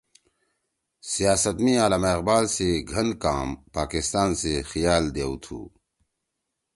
سیاست می علامہ اقبال سی گھن کام پاکستان سی خیال دیؤ تُھو